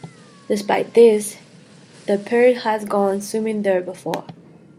Despite this, the pair had gone swimming there before.